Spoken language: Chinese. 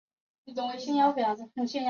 广东乡试第六十二名。